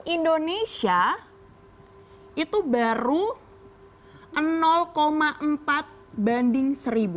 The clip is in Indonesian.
indonesia itu baru empat banding seribu